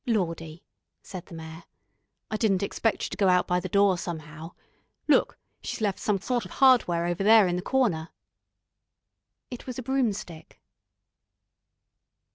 "Lawdy," said the Mayor. "I didn't expect she'd go out by the door, somehow. Look she's left some sort of hardware over there in the corner." It was a broomstick.